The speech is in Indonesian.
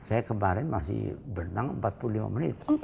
saya kemarin masih berenang empat puluh lima menit